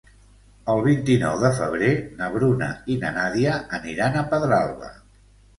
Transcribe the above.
El vint-i-nou de febrer na Bruna i na Nàdia aniran a Pedralba.